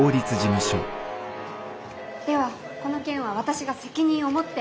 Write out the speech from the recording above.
ではこの件は私が責任を持って。